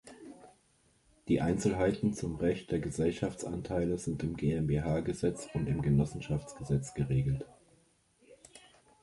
Die Einzelheiten zum Recht der Geschäftsanteile sind im GmbH-Gesetz und im Genossenschaftsgesetz geregelt.